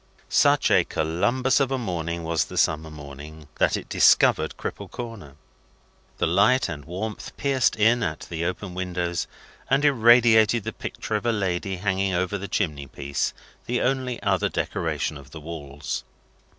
Such a Columbus of a morning was the summer morning, that it discovered Cripple Corner. The light and warmth pierced in at the open windows, and irradiated the picture of a lady hanging over the chimney piece, the only other decoration of the walls.